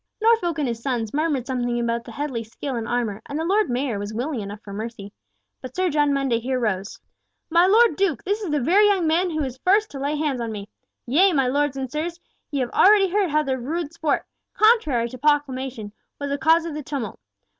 Norfolk and his sons murmured something about the Headley skill in armour, and the Lord Mayor was willing enough for mercy, but Sir John Mundy here rose: "My Lord Duke, this is the very young man who was first to lay hands on me! Yea, my lords and sirs, ye have already heard how their rude sport, contrary to proclamation, was the cause of the tumult.